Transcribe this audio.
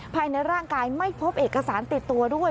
ภายในร่างกายไม่พบเอกสารติดตัวด้วย